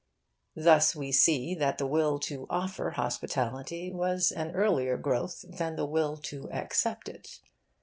Thus we see that the will to offer hospitality was an earlier growth than the will to accept it.